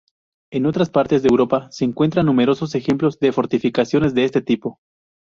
En otras partes de Europa se encuentran numerosos ejemplos de fortificaciones de este tipo.